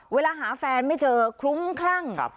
เวลาหาแฟนไม่เจอคลุ้มคลั่ง